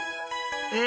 え！